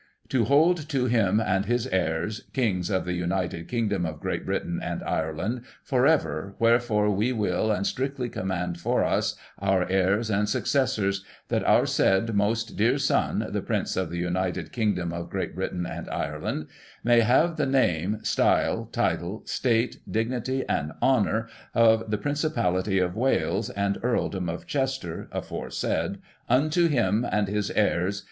To hold to him and his Heirs, Kings of the United Kingdom of Great Britain and Ireland, for ever, wherefore we will, and strictly command for us, our heirs, and successors, that our said most dear Son, the Prince of the United Digiti ized by Google i84i] THAMES TUNNEL. 175 Kingdom of Great Britain and Ireland, may have the name, style, title, state, dignity, and honour of the Principality of Wales, and Earldom of Chester aforesaid, unto him and his heirs.